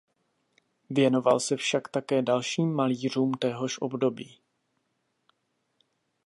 Věnoval se však také dalším malířům téhož období.